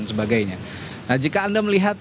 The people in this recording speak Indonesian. sebagainya nah jika anda melihat